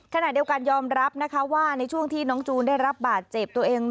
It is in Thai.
ขณะเดียวกันยอมรับนะคะว่าในช่วงที่น้องจูนได้รับบาดเจ็บตัวเอง